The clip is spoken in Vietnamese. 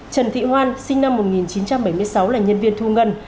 trần thị hoan sinh năm một nghìn chín trăm bảy mươi sáu là nhân viên thu ngân